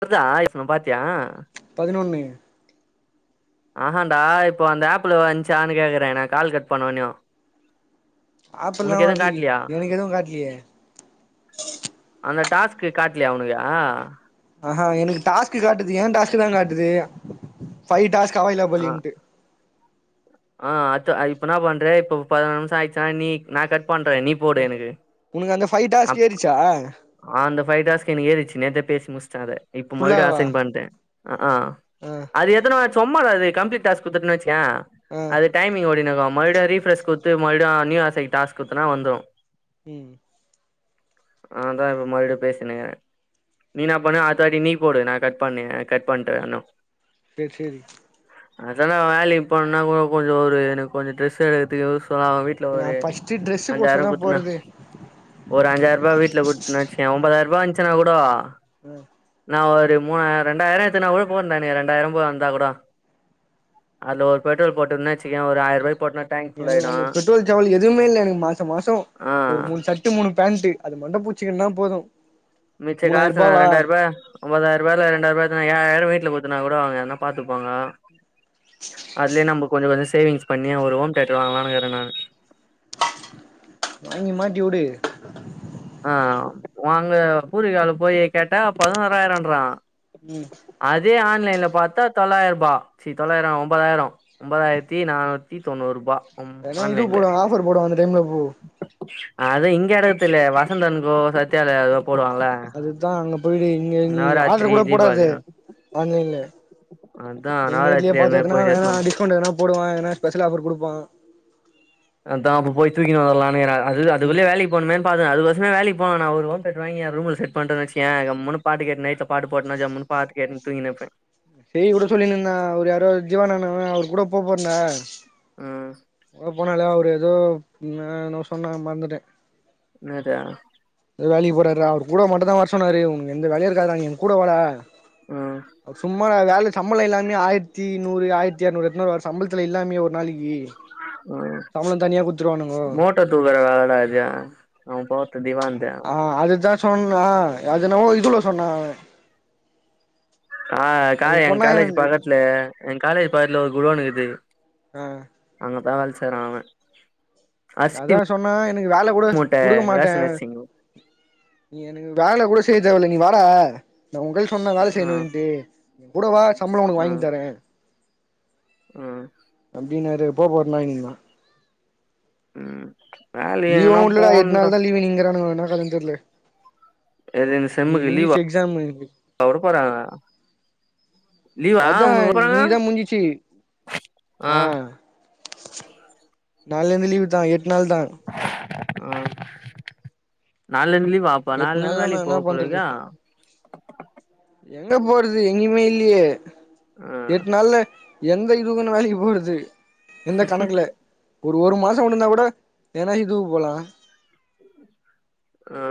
வருதா இப்ப நா பாத்தியா பதினொன்னு ஆஹாடா இப்போ அந்த அப்ல வந்ச்சானு கேக்குற நா கட் பண்ணோன்யு ஆப் எல்லா வர்லியே காட்லியா எனக்கு எது காட்லியே அந்த டாஸ்க்கு காட்லியா ஒனக்கு ஆஹா எனக்கு டாஸ்க்கு காட்டுது ஏ டாஸ்க்கு தா காட்டுது பைவ் டாஸ்க் அவைலபளின்ட்டு ஆ அதா இப்பனா பண்ற இப்ப பதுனோ நிமிசோ ஆய்ச்சுனா நீ நா கட் பண்ற நீ போடு ம் எனக்கு உனக்கு அந்த ஃபைவ் டாஸ்க் ஏறிச்சா ஆ அந்த ஃபை டாஸ்க் ஏறிச்சு நேத்தே பேசி முச்சிட்ட அத இப்ப மறுடி ஃபுல்லாவா அசைன் பண்து ஆ ஆ ஆ அது எத்தன வா சும்மா தா அது கம்ளீட்டாஸ் குடுத்துன்ன வச்ச ம் டைமிங் ஓடினு இருக்கு மறுபடியு ரீப்ரஸ் குடுத்து மறுடி நியூ அசைன் டாஸ்க் குட்தனா வந்துரு ம் ஆதா இப்ப மறுபடியு பேசினுக்குற நீ இன்னா பண்ணு அடுத்த வாட்டி நீ போடு நா கட் பண்ணி கட் பண்ட்டுன சேர் சேரி அதல்லா வேலைையு போன்னா ஓ கொஞ்சோ ஒரு எனக்கு கொஞ்சோ ட்ரெஸ்சு த்து சொல்லா வீட்ல நா ஒரு ஃபஸ்ட்டு ட்ரெஸ்ஸு கோசரோ அஞ்சாயிரோ தா குத்துனா போறது ஒரு அஞ்சாயிரூபா வீட்ல குட்னா வச்சய ஒம்பதாயிரூபா இருஞ்ச்சுனா கூடோ ம் நா ஒரு மூணா ரெண்டாயிரோ எடுத்து நா கூட போதுடா எனக்கு ரெண்டாயிரோ போ வந்தா கூட அதுல ஒரு பெட்ரோல் போட்டுந்த வச்சுக்கய ஒரு ஆயிரூபாய் எனக்கு அந்த பெட்ரோல் சவல் எதுவுமே இல்ல எனக்கு மாசோ மாசோ ஆ ஒரு மூணு சட் ட்டு மூணு பேண்ட்டு அது மட்டு பூச்சுக்குன்னா போது மிச்ச காசு நா மூணாயிரூபாவா ரெண்டாயிரூபா ஒம்பதாய்ரூபால ரெண்டாயிரூபாசுனா ஏழாயிரோ வீட்ல குத்துனா கூட அவங்க எதனா பாத்துப்பாங்க பா்த்துப்பாங்க அதுலயே நம்ம கொஞ்சோ கொஞ்சோ சேவிங்ஸ் பண்ணி ஒரு ஹோம் தேட்டர் வாங்கலான்க்குற நானு வாங்கி மாட்டி உடு ஆ வாங்க பூர்விகால போய் கேட்டா பதுனோராயிரோண்றா ம் அதே ஆன்லைன்ல பாத்தா தொள்ளாயி ரூபா சி தொள்ளாயிரோ ஒம்பதாயிரோ ஒம்பதாயிரத்தி நானூத் தி தொண்ணூரூபா வேணா இது போடு ஆஃபர் போடுவாங்க அந்த டைம்ல போ அது இங்க அடகுத்து தெர்ல வசந்தன்கோ சத்யாலயோ ஆ ஆ அதுதா அங்க போய்டு இங்க நீ ஆர்டர் நவராத்திரி கூட போடாது தீபாவளி ஆன்லைன்ல அதா போய் நேர்லே நவராத்திரி அது பாத்து மாரி போயிட்டு எடுத்னா எத்துனு வந் டிஸ்கவுண்ட் எதனா போடுவா எதனா ஸ்பெஷல் ஆஃபர் குடுப்பா அதா அப்ப போய் தூக்கிணு வரலானுக்குற அது அது ம் வலியு வேலைக் போனுமேன்னு பாக்கற அதுக்கெசறமே வேலைக்கு போ வேணா ஒரு ஹோம் தியேட்டர் வாங்கி எ ரூம்ல செட் பண்டேன்னு வச்சிக்கியே கம்முன்னு பாட்டு கேட்டுனே த பாட்டு போட்டுட்டு ஜமுன்னு பாட்டு கேட்டுனு தூக்கின்னு இருப்பே செரி வுடு சொல்லின்னா அவரு யாரோ ஜீவாண்ணா அவரு கூட போ போறனா ம் அ போனாலையா அவரு ஏதோ ந என்னவோ சொன்னா மறந்துட்டே என்னது எதோ வேலைக்கு போறாருரா அவரு கூட மட்டு தா வர சொன்னாரு உனக்கு எந்த வேலைய இருக்காதுடா நீ எனக் கூட வாடா ம் அ சும்மா நா வேல சம்பளம் எல்லாமே ஆயிரத்தி நூறு ஆயிரத்தி அறுநூறு எத்துனுவாரு சம்பளத்தில இல்லாமே ஒரு நாளைக்கி ஆஹ சம்பளோ தனியா குடுத்துருவானுங்கோ போட்ட தூர வாடா அது நா போட்ட திவான் தே ஆ அதுதா சொன்ன அது என்னாமோ இதுல சொன்ன ஆ கா அதுக்கு எ போனா காலேஜ் பக்கத்துல எ காலேஜ் பக்கத்துல ஒரு குடோனிக்குது ஆ அங்கதான வேல செய்றா அவ அரிசி அதா சொன்னா எனக்கு வேலை கூட குடுக்க மாட்டே ரேஷன் அரிசி நீ எனக்கு வேல கூட செய்ய தேவல்ல நீ வாடா நா உங்கையில சொன்னனா வேல ம் செய்யணுன்ட்டு கூடவா சம்பளோ உனக்கு வாங்கி ம் தரே ம் அப்டின்னுரு போ போறனாய்ங்க ம் வேலைக்கு லீவு எங்கனா வுல்ல எட் போணுடா நாள்தா லீவுங்கிறானுங்க என்னா கதன்னு தெர்ல ஏது இந்த இன்னிக்கு செம்முக்கு லீவா முஞ்சிச்சு எக்ஸாமு வுடப்போறங்க அதா நீதா முடிஞ்சிச்சு ஆ நாளைந்து லீவு தா எட் நாள் தா ஆ நாளைலிந்து லீவா அப்ப எட்டு நாளைலிந்து நாள்ல நா வேலைக்கு போ என்ன பண்றது போலக்கே எங்க போறது எங்கேயுமே இல்லையே ம் எட் நாள்ல எந்த இதுக்குன்னு வேலைக்கு போறது எந்த கணக்குல ஒரு ஒரு மாச உண்டுருந்தா கூட வேணா இதுக்கு போலா ஆ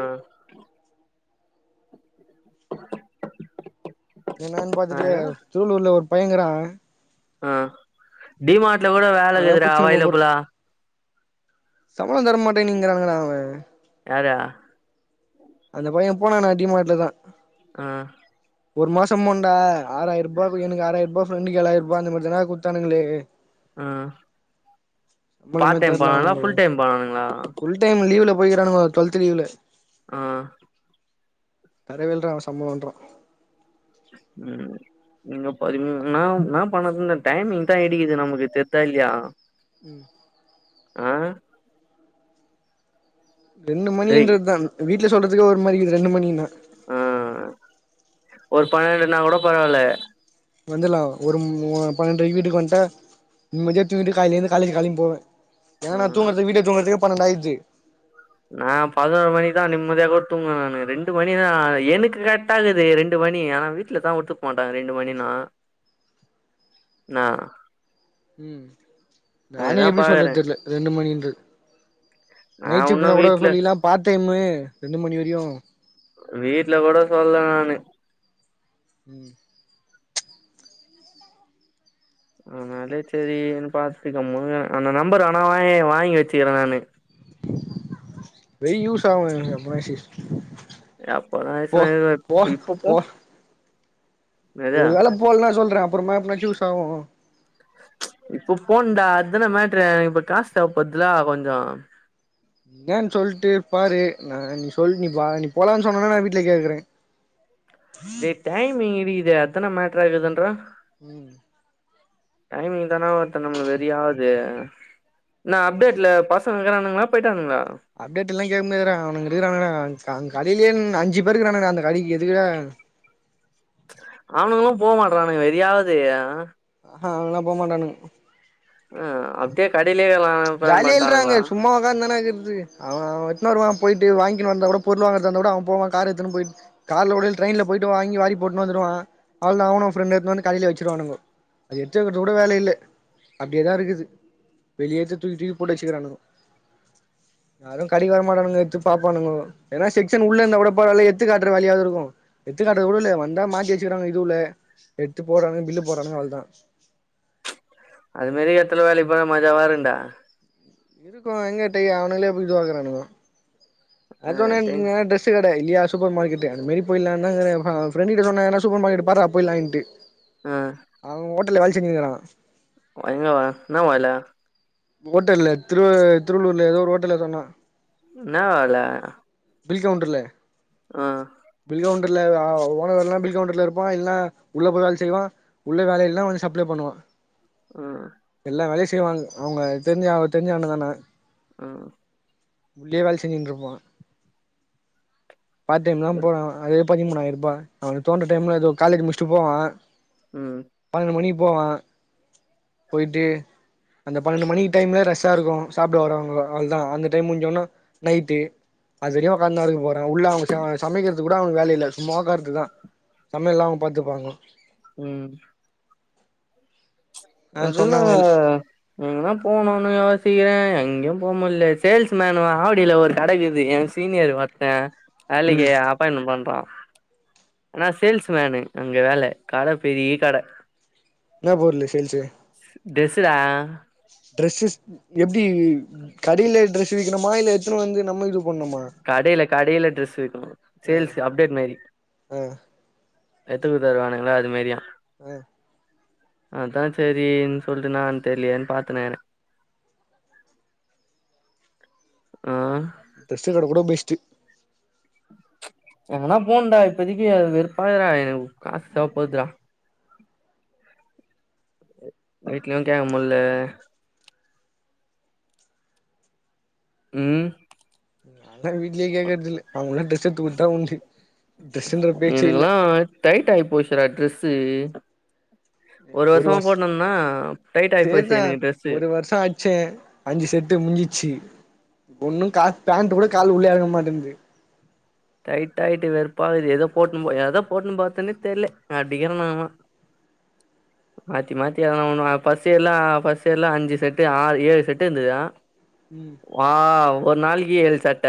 என்னன்னு ஆ பாத்துட்டு சூலூர்ல ஒரு பையங்கறா ஆ டிமார்ட்ல கூட அவனதா வேலைக்குதுடா புச்சுன்னு அவைலபிளா சம்பளோ தர மாட்டே நீங்கிறானுங்கா அவங்க யாரே அந்தப்பைய போனான்னா டிமாட்ல தா ஆ ஒரு மாசம் போண்டா ஆறாயிரரூபாகுஎனக்கு ஆறாயிரூபா ஃப்ரண்டுக்கு ஏழாயிர ரூபா அந்த மாதிதானா குத்தானுங்களே ம் சம்பளமே பார்ட் டைம் தர்ல பண்ணானுங்களா அவனுங்கோ ஃபுல் டைம் பண்ணானுங்களா சொல்ட் டைம் லீவ்ல போயிறானுங்க டுவல்த லீவ்ல ஆ தரவேல்ற அவ சம்பளோன்றா ம் நீங்க ப ம் ம் என்னா என்னா பண்ணது இந்த டைமிங் தா இடிக்குது நமக்கு தெத்தா இல்லையா ம் அ ரெண்டு டேய் மணின்றது தா வீட்ல சொல்றதுக்கே ஒரு மாரி இர்க்குது ரெண்டு மணினா அ ஒரு பன்னெண்டு இன்னா கூட பரவாயில்ல வந்துலா ஒரு முஅ பன்னெண்ரைக்கு வீட்டுக்கு வன்டா இம்மதியா தூங்கிட்டு காலேல இருந்து காலேஜ் கிளம்பி போவ ஏனா நா ம் தூங்கறது விட்ல போய் தூங்கறதுக்கு பன்னெண்டு ஆயிது நா பதினொரு மணிதா நிம்மதியா கூட துங்குவ நானு ரெண்டு மணிதா ஆ எனக்கு கரெக்டா இக்குது ரெண்டு மணி ஆனா வி ட்ல ஒத்துக்க மாட்டாங்க ரெண்டு மணினா நா உம் நா நானே இதா எப்டி பாக்குறே சொல்றது தெர்ல ரெண்டு மணின்ற நா நைட் உன்னு ஷிப்ட்னா கூட வீட்ல சொல்லிக்கிலா பார்ட் டைம்மு ரெண்டு மணி வரையு வீட்ல கூட சொல்ல நானு உம் ஆனாலே சரி இன்னு பாத்துக்கோ மு அந்த நம்பர் ஆனா வாங்கி வாங்கி வச்சிக்கிறே நானு வெய் யூஸ் ஆகுங்க [unintelligible] அப்பதா [unintelligible] இப்ப போ எது உங்ளால போலன்ன சொல்றே அப்பரமா எப்பனா ஜூஸ் ஆகு இப்ப போண்டா அதுதான மேட்டுற இப்ப காசு தேவப்படுதுலா கொஞ்சோ என்னு சொல்ட்டு பாரு நா நீ சொல் நீ வா நீ போலான்னு சொன்னேனா நா வீட்ல கேக்ற இது டைமிங் இது இத அத்ன மட்றா இதுதுன்ற உம் டைமிங் தானா ஒருத்த நம்ள வெறியாது அ நா அப்டேட்ல பசங்கக்கிறானுங்ளா போயிட்டானுங்ளா அப்டேட் எல்லா கேட்க முடியாதுடா அவனங்க இருக்கிறானுகடா காங் கடைலே ன் அஞ்சி பேருக்குக்கிறானுகடா அந்த கடைக்கு எதுக்குடா அவனுங்களு போ மாட்டறானு வெறியாவது அ ஆ அஹ அவனுங்க எல்லா போமாட்டானுக ஆ அப்டியே கடையிலே கலாம் ஜாலிய இல்றாங்க சும்மா உக்காந்தான ஆகுது அவ அவ எத்தன வருவா போயிட்டு வாங்கிட்டு வந்தா கூட பொருள் வாங்கற இருந்தா கூட அவங்க போவா கார் எத்தனம் போயி கார்ல உடே ட்ரென்ல போயிட்டு வாங்கி வாரி போட்டு வந்துருவா அவள்தா அவனு ஃப்ரெண்டு எத்து வந்து காலேலே வச்சிருவானுங்கோ அது எடுத்து வக்க கூட வேல இல்லே அப்டியேதா இருக்குது வெளியேடுத்து தூக்கி தூக்கி போட்டு வச்சிக்கிறானுகோ யாரு கடிக்க வரமாட்டானுங்க எத்து பாப்பானுக ஏனா செக்ஷன் உள்ள இருந்தா கூட பரவாயில்ல எத்து காட்ற வேலையாவது இருக்கு எத்துக்காட்டது கூட இல்ல வந்தா மாத்தி வச்சிக்கிறானுக இதுவு உள்ள எடுத்து போறானுங்கர பில்லு போறாங்கு அவளதான் அது மாரி எத்தல வேலை இப்பலா மஜாவா இருண்டா இருக்கு எங்கேட்டேயா அவனுங்களே போய் இதுவாறானுங்கோ அது உன்னே ஆ டென் இங்க ட்ரெஸ் பச்ச கடை இல்லயா சூப்பர் மார்க்கெட் அந்தமரி போய்லான்னுதா இங்ற ஹா பிரண்டு கிட்ட சொன்னா என்ன சூப்பர் மார்க்கெட் பாதா போய்லான்டு அ அவ் ஹோட்டல்ல வேலச் செஞ்சிகிருரானா இங்க வ இன்னா வாயில ஹோட்டல்ல திருவ திருவள்ளுர்ல ஏதோ ஒரு ஒட்டல சொன்னா இன்னா வேல பில் கவுண்டர்ல ஆ பில் கவுண்டர்ல ஆ ஒ ஓனவர் எல்லா பில் கவுண்டர்ல இருப்பா இல்னா உள்ள போய் வேல செய்வா உள்ள வேலைையெல்லா வந்து சப்ளை பண்ணுவா ஆ எல்லா வேலை செய்வாங்க அவங்க தெரிஞ்சா அவ தெரிஞ்சண்ணுதானே அ உள்ளே வேல செஞ்சட்டு இருப்பா பார்ட் டைம்லா போறா அதா பதி மூணாயிர ரூபா அவனுக்கு தோன்ற டைம்ல காலேஜ் முடிச்சுட்டு போவா ம் பன்னெண்டு மணிக்கு போவா போயிட்டு அந்த பன்னெண்டு மணிக்கு டைம்ல ரெஸ்டா இருக்கு சாப்ட வரவங்களா அவ்ளோதா அந்த டைம் முஞ்சோன்னா நைட்டு அதுவரைக்கு ஒக்காந்து தா இருக்க போறா உள்ள அவங்க சமைக்கிறதுக்கு கூட அவங்க வேல இல்ல சும்மா ஒக்காருறதுதா சமையல்லா அவுங்க பாத்துப்பாங்க ம் ஆ அதுன்ன சொன்னாங்க எங்கனா போகணும்னு யோசிக்கிறே எங்கேயு போ முல்ல சேல்ஸ் மேன்னு ஆவடியில ஒரு கட இக்குது சீனியர் மத்த வேலைக்கி ம் அப் னும் பண்றா ஆனா சேல்ஸ்மேனு அங்க வேல கட பெரிய கட என்னா பொருளு சேல்ஸு ட்ரெஸுடா ட்ரெஸ்ஸஸ் எப்டி கடையில் ட்ரெஸு விக்கணுமா இல்ல எத்துனு வந்து நம்ம இது பண்ணணுமா கடையில கடையில ட்ரெஸ் விக்கணு சேல்ஸ் அப்டேட் மாரி ஆ எத்துக்க தருவானுங்களா அது மாரியா ஆ அதா செரின்னு சொல்லிட்டு நா தெரியலயேனு பாத்துன்னுக்குறே அ ட்ரெஸு கட கூட பெஸ்டு எங்கனா போனுடா இப்பதைக்கு வெறுப்பா இருக்குடா எனக்கு காசு தேவ படுதுடா வீட்லயு கேக்க முல்ல ம் நா வீட்லயே கேக்கறது இல்ல அவங்களா ட்ரெஸ் எடுத்து குடுத்தா தா உண்டு ட்ரெஸுங்குற பேச்சே இல்ல எனக்கெல்லா டைட் ஆகி போச்சுடா ட்ரெஸ்ஸு ஒரு வருஷமா போட்னு இருந்தேனா டைட் ஆகி போச்சு எனக்கு டிரரெஸ்ஸு ச்சே அஞ்சு செட்டு முடிஞ்சிடுச்சு ஒன்னு கா பேண்ட் கூட காலுள்ள எறங்கமாட்டேன்து டைட் ஆயிட்டு வெறுப்பா இது எதோ போட்னு எத போட்டுன்னு போறதுனே தெர்ல அப்டிகிறே நா மாத்தி மாத்தி எதனா ஒன்னு ஃபஸ்டு எல்லா அஞ்சு செட்டு ஆறு ஏழு செட்டு இருந்தது ம் ஆ ஒரு நாளைக்கு ஏழு சட்ட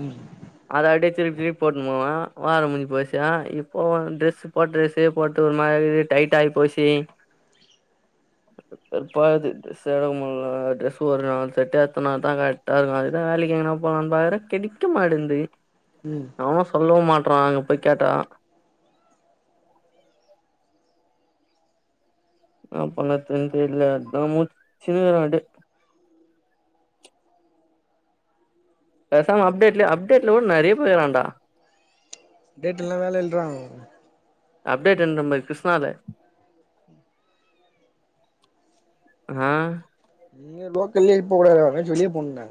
ம் அத அப்டியே திருப்பி திருப்பி போட்னு போவே வாரோ முடுஞ்சு போச்சுனா இப்போ ட்ரெஸ்ஸு போட்ட ட்ரெஸ்ஸே போட்டு ஒரு மாரி டைட்டாகி போச்சி வெறுப்பாக்குது ட்ரெஸ்ஸே எடுக்க முடியல ட்ரெஸ் ஒரு நாள் செட்டா எடுத்தனா தா கரெக்டா இருக்கு அதுதா வேலைக்கு எங்கனா போலானு பாக்குறே கெடைக்க மாட்டுன்து ம் அவனு சொல்லவு மாட்றான் அங்க போயி கேட்டா [unintelligible] தெம்பு இல்ல அத முடிச்சே அதே பேசாம அப்டேட்ல அப்டேட்ல கூட நிறைய பேர் வேண்டா டேட் எல்லா வேல இல்றாங்கங்க அப்டேட் என்ற பாரு கிருஷ்ணால ஆ நீங்க லோக்கல்லயே போ கூடாது எங்கையாது வெளிய போனும்டா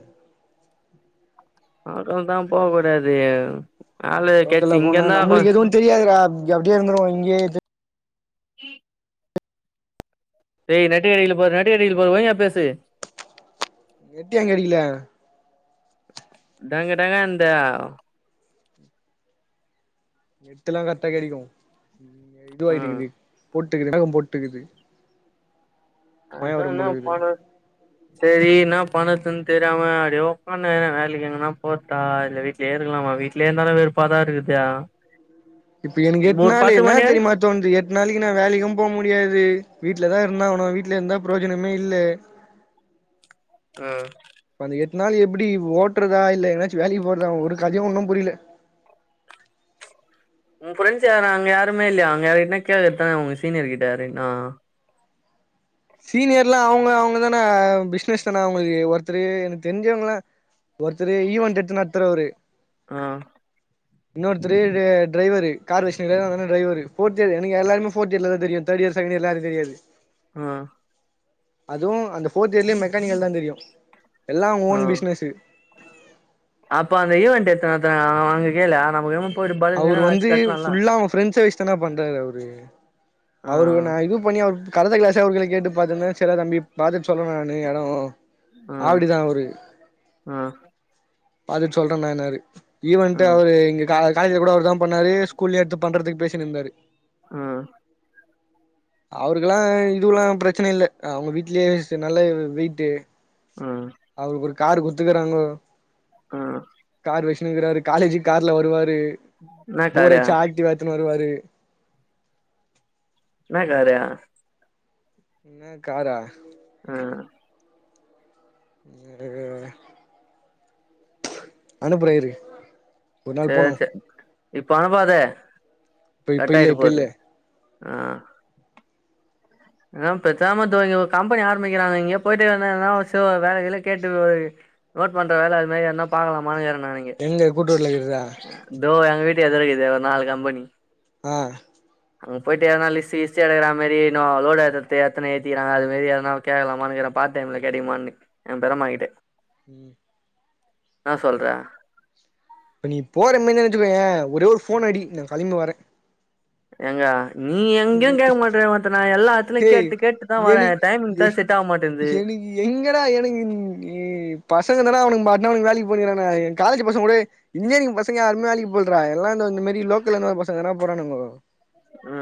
அது தா போக கூடாது ஆளு கேச்ச இங்க தா கொஞ் தெரியாது டா அப்படியே இருதுறுவோம் இங்கே டேய் நெட் கடைகள பாரு நெட் கடைகள பாரு ஓய்யா பேசு நெட் ஏ கிடைக்கல டங்கடங்க இந்த நெட்டு எல்லா கரெக்டா கிடைக்கு நீ இதுவாயி ம் இருக்குது போட்டுக்குது வேகம் போட்டுக்குது மய வரும் அதான்ன பொழுது போன சரி என்னா பண்ணதுன்னு தெரியாம அப்படிய உக்கா வே வேலைக்கு எங்கன்னா போத்தா இலட்டு வீ ட்டலே இருக்கலாமா வீட்டலே இருந்தாலு வேறு பாதா இருக்குது இப்ப எனக்கு எட்டு ஒரு நாள் பத்து என்ன மணி வர தெரியூமாட் தொன்து எட்டு நாளைக்கு நா வேலைக்கும் போ முடியாது வீட்டுல தா இருந்த ஆனும் வீட்டுல இருந்தா பிரோஜனமே இல்ல ஆ இப்ப அந்த எட்டு நாளு எப்டி ஓட்டுறதா இல்ல எங்கயாச்சு வேலைக்கு போறதா ஒரு கதையும் ஒன்னும் புரியல உ ஃப்ரெண்ட் யாராச்சும் அங்க யாருமே இல்லயா அங்க யாரிட்ட கேழு ஓ சீனியர் கிட்ட யாருகிட்டனா சீனியர் எல்லா அவுங்க அவுங்கதான பிசினஸ் தானே அவுங்களுக்கு ஒருத்தரு எனக்கு தெரிஞ்சவங்கல்ல ஒருத்தரு இவாண்ட் எடுத்து நடத்துரவரு ஆ இன்னொருத்தரு டிரைவர்ரு கார் வச்சுருக்காரு அதனாலடிரைவரு ஃபோர்த் எனக்கு எல்லாருமே போர்த் இயர் தா தெரியும் தேர்ட் இயர் செகண்ட் இயர் எல்லா எனக்கு தெரியாது ஆ அதுவு அந்த போர்த் இயர்லயே மெக்கானிக்கல் தா தெரியும் எல்லாம் ஆ ஓன் பிஸ்சினஸ்ஸு அப்ப அந்த ஈவன்ட் எத்தன எத்த அங்க கேளு நமக் அவுரு வந்து ஃபுல்லா அவ ஃப்ரெண்ட்ச வச்சு தான பண்றாரு அவரு ஆ அவருக்கு நா இது பண்ணி அவர் கரத்த கிளாசே அவர்கள கேட்டு பாத்துனு சரிடா தம்பி பாத்துட்டு சொல்ற நானு எடம் ஆ ஆவடி தா அவரு ஆ பாத்துட்டு சொல்ற மேனாரு ஆ ஈவன்ட்டு அவரு இங்க காலேஜல கூட அவரு தா பண்ணாரு ஸ்கூல்ல எடுத்து பண்றதுக்கு பேசிட் இருந்தாரு ஆ அவருக்கு கெல்லா இதுல்லா பிரச்சன இல்ல அவுங்க வீட்லயே சி நல்ல வெய்ட்டு ம் அவருக்கு ஒரு காரு குடுத்துக்கறாங்கோ ஆ கார் வச்சுனுக்காரு காலேஜ்க்கு கார்ல வருவாரு என்னா போர் காரு அடுச்சா ஆக்டிவா எத்துனு வருவாரு என்ன காரு என்ன காரா ம் [unintelligible] அ அனுப்ற இரு ஒரு நாள் போனு சேர் சே இப்ப அனுபாதே இப்ப இப்ப கட் இல்ல ஆய்ட இப்ப இல்ல போது ஆ ஆ பேசாம இந்தோ இங்க ஒரு கம்பெனி ஆரம்பிக்கிறாங்க இங்கே போயிட்டுஎனா வேல கீழ கேட்டு வையி நோட்பண்ணற வேல அதுமாரி எனா பாக்கலாமானு கேளு நாளைக் எங்க கூட்டுர்ல இருக்தா இதோ எங்க வீட்டு எதர இக்குதே நாலு கம்பெனி ஆ அங்க பொய்ட்டு எதனா லிஸ்ட்டு கிஸ்டுஎடுக்கற மாரி எனொ லோடு எத்துறது ஏத்தனா ஏத்திகிறாங்க அது மாரி எதுனா கேகலாமானுகிறே பார்ட் டைம்ல கெடக்குமானு எ பேறமாகிட்டே ம் என்னா சொல்ற இப்போ நீ போற மாரி நெனச்சுக்கோயெ ஒரே ஒரு போன் அடி நா கெளம்பி வரெ எங்க நீ எங்கேயு கேக்க மாட்டே நா ஒருத்த எல்லா எடத்துலயு ஹே கேட்டு கேட்டுதா வரே எனக்கு டைமிங் எ தா செட் ஆக மாட்டேன்து எனக்கு எங்கடா எனக்கு பசங்க தான்டா அவனுக்கு மட்னாகு வேலக்கி போய்னுக்குறான்க எ காலேஜ் பசங் கூட இல்லே எங்பசங்க யாருமெ வேலக்கி போல்றா எல்லா இந்த மாரி லோக்கலந்து வந்த பசங்க தா போறானுங்கோ அ